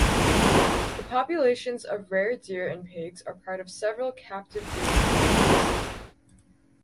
The populations of rare deer and pigs are part of several captive breeding projects.